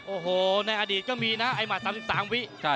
โอ้โหในอดีตก็มีนะไอ้หมัด๓๓วิ